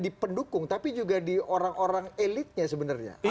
itu gimana oke